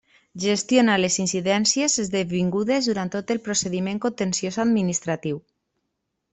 Gestiona les incidències esdevingudes durant tot el procediment contenciós administratiu.